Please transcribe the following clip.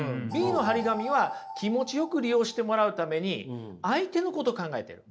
Ｂの貼り紙は気持ちよく利用してもらうために相手のことを考えている。